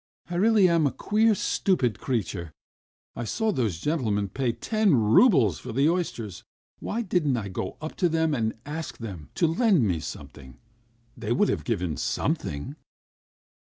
... I really am a queer, stupid creature. ... I saw those gentlemen pay ten roubles for the oysters. Why didn't I go up to them and ask them ... to lend me something? They would have given something."